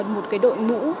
một cái đội mũ